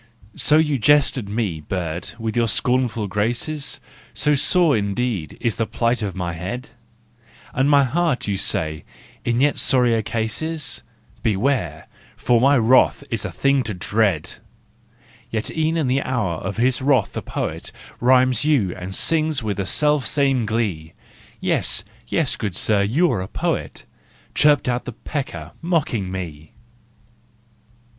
So you jest at me, bird, with your scornful graces ? So sore indeed is the plight of my head ? And my heart, you say, in yet sorrier case is ? Beware! for my wrath is a thing to dread! Yet e'en in the hour of his wrath the poet Rhymes you and sings with the selfsame glee. " Yes, yes, good sir, you are a poet," Chirped out the pecker, mocking me.